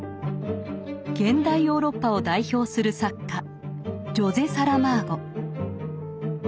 現代ヨーロッパを代表する作家ジョゼ・サラマーゴ。